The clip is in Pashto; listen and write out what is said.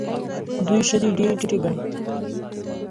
دوی ښځې ډېرې ټیټې ګڼي.